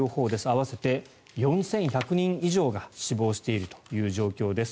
合わせて４１００人以上が死亡しているという状況です。